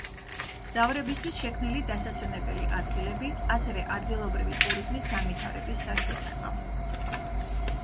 მგზავრებისთვის შექმნილი დასასვენებელი ადგილები, ასევე ადგილობრივი ტურიზმის განვითარების საშუალება.